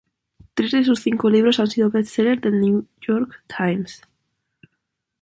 Tres de sus cinco libros han sido Best-Seller del New York Times.